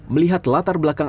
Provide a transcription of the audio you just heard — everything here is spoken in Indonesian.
melihat latar belakang